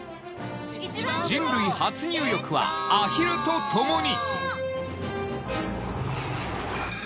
人類初入浴はアヒルとともに。